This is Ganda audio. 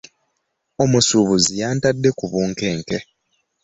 Omusuubuzi yantadde ku bunkenke.